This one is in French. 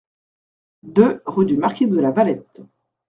deux rue du Marquis de la Valette